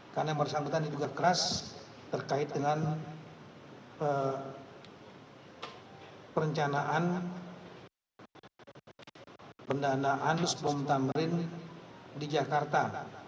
karena yang bersangkutan ini juga keras terkait dengan perencanaan pendanaan lusbom tamrin di jakarta